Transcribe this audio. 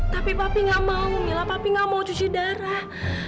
tapi papi nggak mau mila papi nggak mau cuci darah